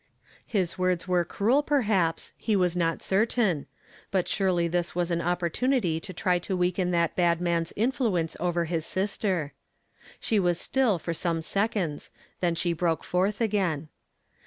His words were cruel perhaps, he was not cei tam; but surely this was an opportunity to tiy to weaken that bad man's influ.ence over his "HE HATH SWAU/JWKD UP DKATH." 327 fliBter. She was .still iuv some seconds ; then slie broke forth again.